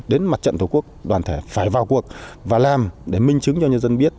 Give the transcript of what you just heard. đến mặt trận tổ quốc đoàn thể phải vào cuộc và làm để minh chứng cho nhân dân biết